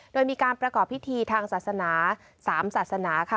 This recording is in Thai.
โดยมีการประกอบพิธีทางศาสนา๓ศาสนาค่ะ